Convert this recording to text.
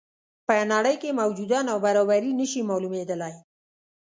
په نړۍ کې موجوده نابرابري نه شي معلومېدلی.